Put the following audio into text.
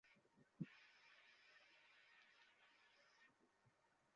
আমি দৌড়টা দেখিইনি।